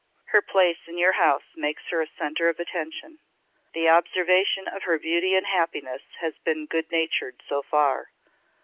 Her place in your house makes her a centre of attention. The observation of her beauty and happiness has been good natured so far.